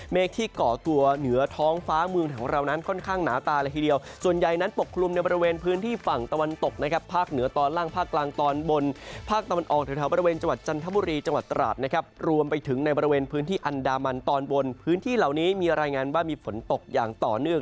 ที่ก่อตัวเหนือท้องฟ้าเมืองของเรานั้นค่อนข้างหนาตาละทีเดียวส่วนใหญ่นั้นปกคลุมในบริเวณพื้นที่ฝั่งตะวันตกนะครับภาคเหนือตอนล่างภาคกลางตอนบนภาคตะวันออกแถวบริเวณจังหวัดจันทบุรีจังหวัดตราดนะครับรวมไปถึงในบริเวณพื้นที่อันดามันตอนบนพื้นที่เหล่านี้มีรายงานว่ามีฝนตกอย่างต่อเนื่อง